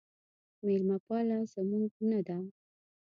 میلمه پاله زموږ نه ده